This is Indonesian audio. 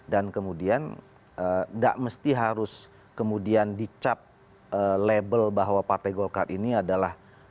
dan kemudian tidak mesti harus kemudian dicap label bahwa partai golkar ini adalah